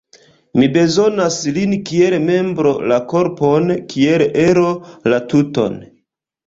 Mi bezonas lin kiel membro la korpon, kiel ero la tuton.